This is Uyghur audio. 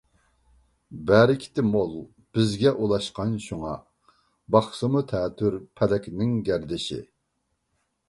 بەرىكىتى مول، بىزگە ئۇلاشقان شۇڭا، باقسىمۇ تەتۈر، پەلەكنىڭ گەردىشى.